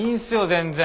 全然。